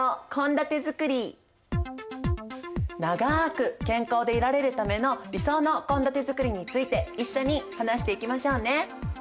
長く健康でいられるための理想の献立づくりについて一緒に話していきましょうね。